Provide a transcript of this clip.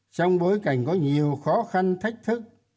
trong bối cảnh có nhiều khó khăn thách thức